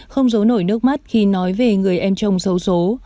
không giấu nổi nước mắt khi nói về người em chồng xấu xố